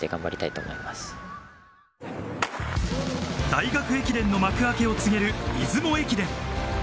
大学駅伝の幕開けを告げる出雲駅伝。